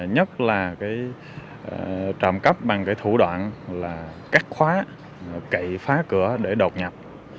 nhất là trộm cắp bằng thủ đoạn cắt khóa cậy phá cửa để đột nhập